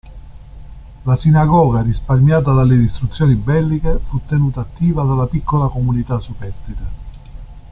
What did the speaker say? La sinagoga, risparmiata dalle distruzioni belliche, fu tenuta attiva dalla piccola comunità superstite.